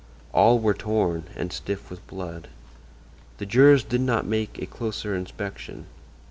All were torn, and stiff with blood. The jurors did not make a closer inspection.